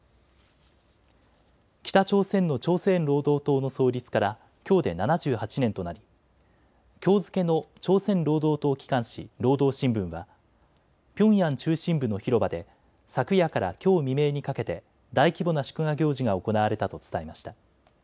北朝鮮の朝鮮労働党の創立からきょうで７８年となりきょう付けの朝鮮労働党機関紙、労働新聞はピョンヤン中心部の広場で昨夜からきょう未明にかけて大規模な祝賀行事が行われたと伝えました。